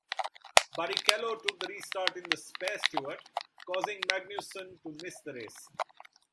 Barrichello took the restart in the spare Stewart, causing Magnussen to miss the race.